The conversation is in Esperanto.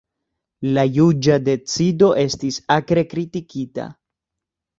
La juĝa decido estis akre kritikita.